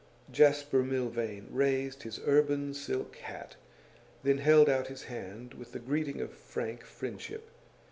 Jasper Milvain raised his urban silk hat, then held out his hand with the greeting of frank friendship.